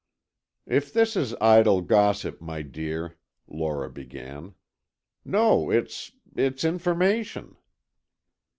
"If this is idle gossip, my dear——" Lora began. "No, it's—it's information."